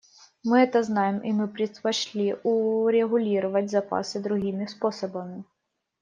Мы это знаем, и мы предпочли урегулировать запасы другими способами.